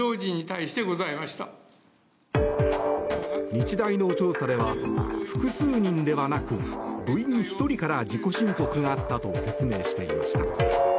日大の調査では複数人ではなく部員１人から自己申告があったと説明していました。